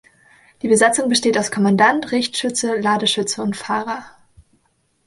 Die Besatzung besteht aus Kommandant, Richtschütze, Ladeschütze und Fahrer.